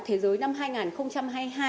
thế giới năm hai nghìn hai mươi hai